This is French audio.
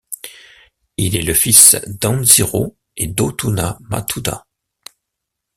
Il est le fils d’Hanziro et d’Otuna Matuda.